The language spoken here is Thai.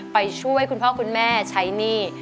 ไปช่วยคุณพ่อคุณแม่ใช้หนี้